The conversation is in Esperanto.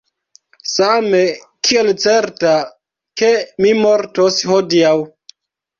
Same, kiel certa, ke mi mortos hodiaŭ.